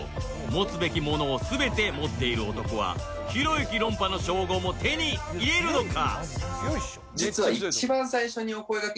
持つべきものを全て持っている男はひろゆき論破の称号も手に入れるのか！？